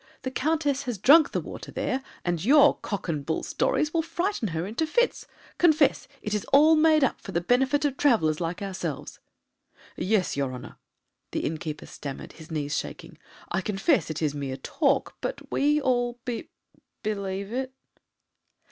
The Countess has drunk the water there, and your cock and bull stories will frighten her into fits. Confess it is all made up for the benefit of travellers like ourselves." "Yes, your honour!" the innkeeper stammered, his knees shaking; "I confess it is mere talk, but we all be be lieve it."